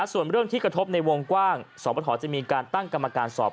ส่วนเรื่องที่กระทบในวงกว้างสอบประทจะมีการตั้งกรรมการสอบ